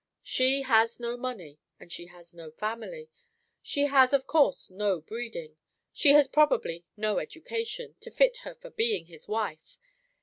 She has no money, and she has no family; she has of course no breeding; she has probably no education, to fit her for being his wife.